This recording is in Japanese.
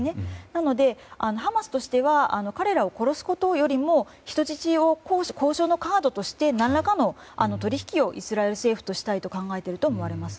なので、ハマスとしては彼らを殺すことよりも人質を交渉のカードとして何らかの取引をイスラエル政府としたいと考えていると思います。